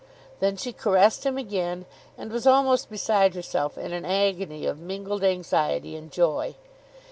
Then she caressed him again, and was almost beside herself in an agony of mingled anxiety and joy.